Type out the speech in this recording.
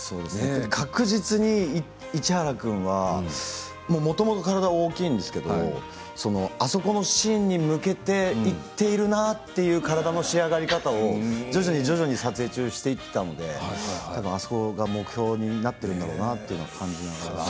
確実に、市原君はもともと体、大きいんですけどあそこのシーンに向けていっているなという体の仕上がり方を徐々に徐々に撮影中していったのであそこが目標になっていたのかなというのを感じながら。